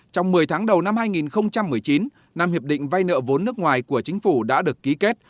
trong một mươi tháng đầu năm hai nghìn một mươi chín năm hiệp định vay nợ vốn nước ngoài của chính phủ đã được ký kết